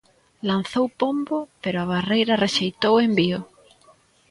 Lanzou Pombo pero a barreira rexeitou o envío.